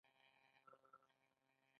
دوی باید په سم نیت په اعتراضونو کې ګډون وکړي.